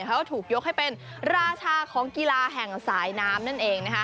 เขาก็ถูกยกให้เป็นราชาของกีฬาแห่งสายน้ำนั่นเอง